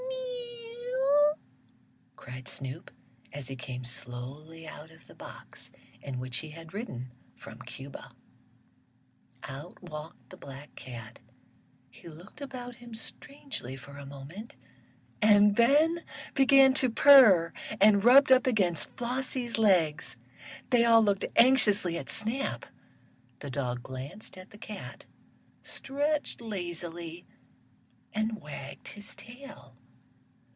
"Meouw!" cried Snoop, as he came slowly out of the box in which he had ridden from Cuba. Out walked the black cat. He looked about him strangely for a moment, and then began to purr, and rubbed up against Flossie's legs. They all looked anxiously at Snap. The dog glanced at the cat, stretched lazily and wagged his tail.